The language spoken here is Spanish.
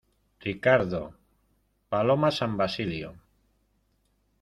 Ricardo... paloma San Basilio .